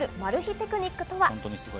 テクニックとは？